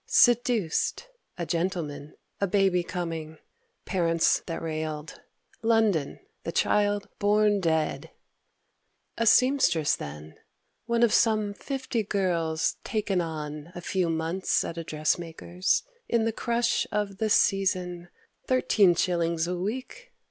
Seduced; a gentleman; a baby coming; Parents that railed; London; the child born dead; A seamstress then, one of some fifty girls "Taken on" a few months at a dressmaker's In the crush of the "season;" thirteen shillings a week!